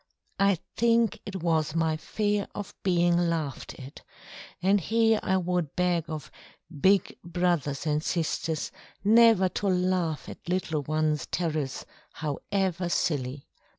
I think it was my fear of being laughed at, and here I would beg of "big" brothers and sisters never to laugh at little ones' terrors however silly.